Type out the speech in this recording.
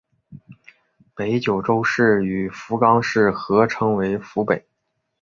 北九州市与福冈市合称为福北。